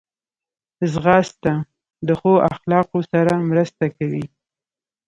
ځغاسته د ښو اخلاقو سره مرسته کوي